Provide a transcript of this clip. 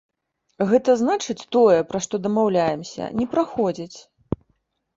Гэта значыць, тое, пра што дамаўляемся, не праходзіць.